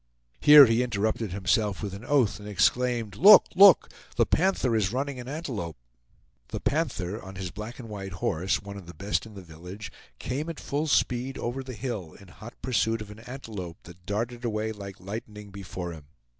Here he interrupted himself with an oath and exclaimed: "Look! look! The Panther is running an antelope!" The Panther, on his black and white horse, one of the best in the village, came at full speed over the hill in hot pursuit of an antelope that darted away like lightning before him.